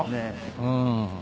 うん。